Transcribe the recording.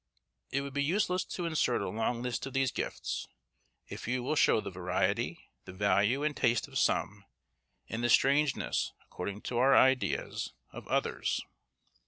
It would be useless to insert a long list of these gifts, a few will show the variety, the value and taste of some, and the strangeness, according to our ideas, of others.